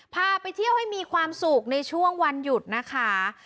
พาไปเที่ยวให้มีความสุขในช่วงวันหยุดนะคะ